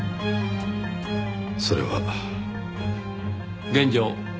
それは。現状